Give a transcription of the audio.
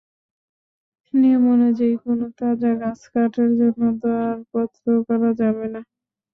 নিয়ম অনুযায়ী কোনো তাজা গাছ কাটার জন্য দরপত্র করা যাবে না।